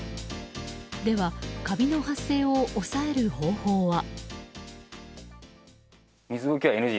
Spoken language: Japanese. ではカビの発生を抑える方法は。